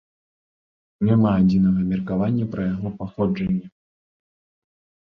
Няма адзінага меркавання пра яго паходжанне.